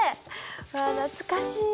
うわ懐かしい。